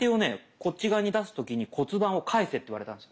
こっち側に出す時に骨盤をかえせって言われたんですよ。